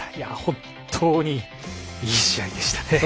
本当にいい試合でしたね。